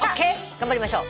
頑張りましょう。